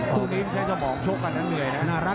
คู่นี้ใช้สมองชกกันนะเหนื่อยนะ